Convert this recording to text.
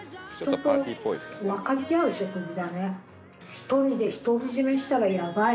１人で独り占めしたらやばい。